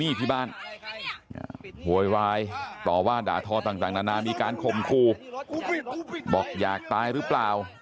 นี่ที่บ้านโวยวายต่อว่าด่าทอต่างนานามีการข่มครูบอกอยากตายหรือเปล่า